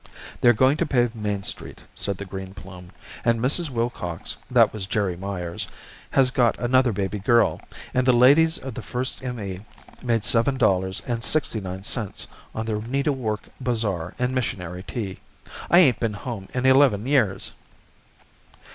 "They're going to pave Main Street," said the Green Plume, "and Mrs. Wilcox, that was Jeri Meyers, has got another baby girl, and the ladies of the First M. E. made seven dollars and sixty nine cents on their needle work bazaar and missionary tea. I ain't been home in eleven years."